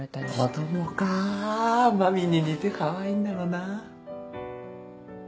子供かまみんに似てかわいいんだろうなぁ。